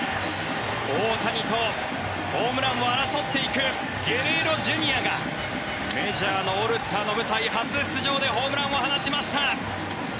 大谷とホームランを争っていくゲレーロＪｒ．がメジャーのオールスターの舞台初出場でホームランを放ちました。